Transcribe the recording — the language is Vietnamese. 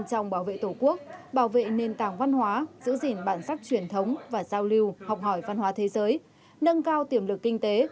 trong bảo vệ tổ quốc bảo vệ nền tảng văn hóa giữ gìn bản sắc truyền thống và giao lưu học hỏi văn hóa thế giới nâng cao tiềm lực kinh tế